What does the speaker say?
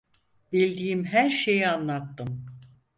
Bildiğim her şeyi anlattım.